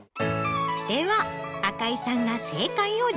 では赤井さんが。